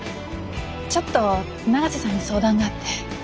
ちょっと永瀬さんに相談があって。